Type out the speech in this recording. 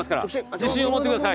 自信を持ってください！